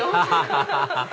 アハハハ